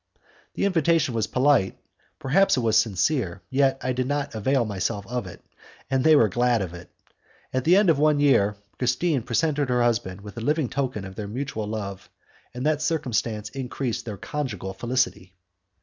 The invitation was polite, perhaps it was sincere, yet I did not avail myself of it, and they were glad of it. At the end of one year Christine presented her husband with a living token of their mutual love, and that circumstance increased their conjugal felicity.